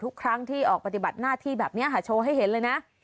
ทุกครั้งที่ออกปฏิบัติหน้าที่แบบนี้ค่ะโชว์ให้เห็นเลยนะ